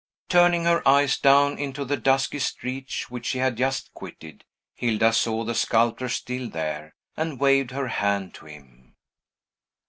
Turning her eyes down into the dusky street which she had just quitted, Hilda saw the sculptor still there, and waved her hand to him.